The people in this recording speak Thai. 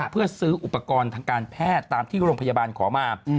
เพื่อซื้ออุปกรณ์ทางการแพทย์ตามที่โรงพยาบาลขอมา